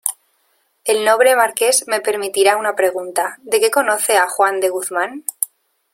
el noble Marqués me permitirá una pregunta: ¿ de qué conoce a Juan de Guzmán?